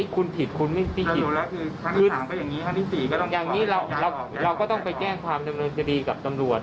คุณผิดคุณไม่มีคิวแล้วคืออย่างนี้เราก็ต้องไปแจ้งความดำเนินคดีกับตำรวจ